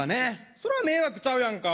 それは迷惑ちゃうやんか。